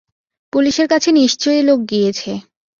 পুলিশের কাছে নিশ্চয়ই লোক গিয়েছে।